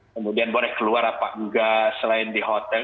kemudian boleh keluar apa enggak selain di hotel